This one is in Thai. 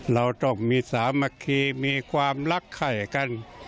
เราต้องมีสามัคคีมีความรักไข่กัน